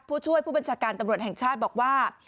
ผู้ช่วยผู้บัญชาการตำรวจแห่งชาติบอกว่า